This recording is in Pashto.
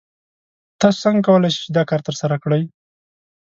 تاسو څنګه کولی شئ چې دا کار ترسره کړئ؟